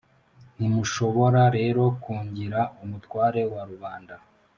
ntimushobora rero kungira umutware wa rubanda!»